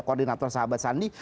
koordinator sahabat sandi